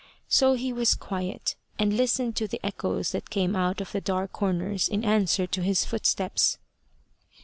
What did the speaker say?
So he was quiet, and listened to the echoes that came out of the dark corners in answer to his footsteps.